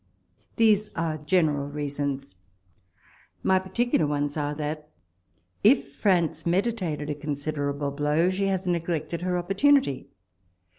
These are general reasons. My particular ones are, that, if France meditated a consider able blow, she has neglected her opportunity.